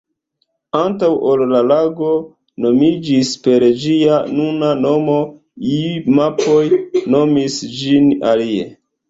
Antaŭ ol la lago nomiĝis per ĝia nuna nomo, iuj mapoj nomis ĝin alie.